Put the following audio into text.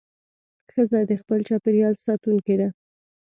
ښځه د خپل چاپېریال ساتونکې ده.